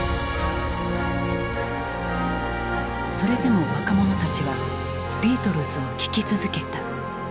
それでも若者たちはビートルズを聴き続けた。